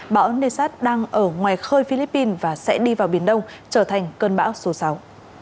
bão nessat đang ở ngoài khơi philippines và sẽ đi vào biển đông trở thành cơn bão số sáu